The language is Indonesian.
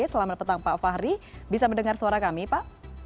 selamat petang pak fahri bisa mendengar suara kami pak